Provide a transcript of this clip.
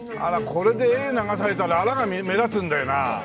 これで絵流されたらアラが目立つんだよな。